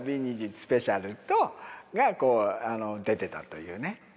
スペシャルとが出てたというね。